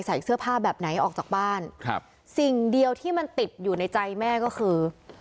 ใส่เสื้อผ้าแบบไหนออกจากบ้านครับสิ่งเดียวที่มันติดอยู่ในใจแม่ก็คือ